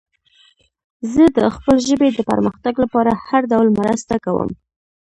زه د خپلې ژبې د پرمختګ لپاره هر ډول مرسته کوم.